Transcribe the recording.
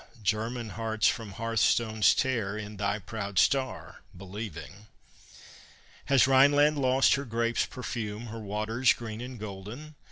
German hearts from hearthstones tear, In thy proud star believing. Has Rhineland lost her grape's perfume, Her waters green and golden?